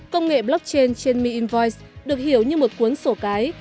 công nghệ blockchain trên mi invoice được hiểu như một cuốn sổ cái